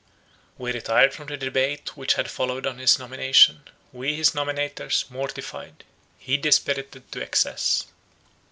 We retired from the debate which had followed on his nomination: we, his nominators, mortified; he dispirited to excess.